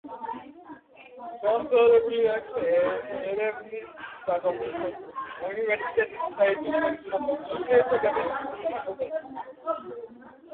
დამთავრებული აქვს ერევნის სახელმწიფო უნივერსიტეტის საერთაშორისო ურთიერთობების ფაკულტეტი.